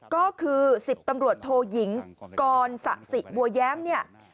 ก็คือ๑๐ตำรวจโทยิงกรสะสิบัวแย้มเนี่ย